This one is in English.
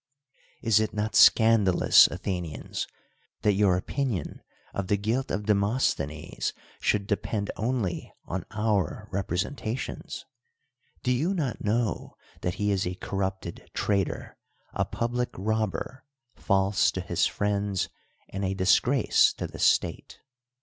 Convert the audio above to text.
Is it not scandalous, Athenians ! that your opinion of the guilt of Demosthenes should de pend only on our representations? Do you not know that he is a corrupted traitor, a public robber, false to his friends, and a disgrace to the state?